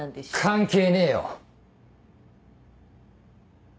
関係ねえよ！